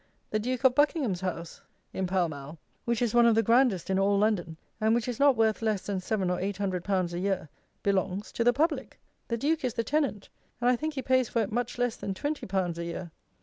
The Duke of Buckingham's house in Pall Mall, which is one of the grandest in all London, and which is not worth less than seven or eight hundred pounds a year, belongs to the public. The Duke is the tenant; and I think he pays for it much less than twenty pounds a year.